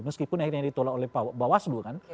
meskipun akhirnya ditolak oleh bawaslu kan